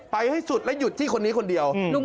ให้สุดและหยุดที่คนนี้คนเดียว